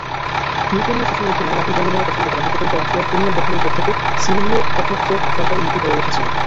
ইউক্রেনীয় শাসনের অধীনে, লাতিন বর্ণমালা পছন্দ করা হতো, কিন্তু রাশিয়ার ক্রিমিয়ার দখলের পর থেকে সিরিলীয় একমাত্র সরকারী লিপি হয়ে উঠেছিল।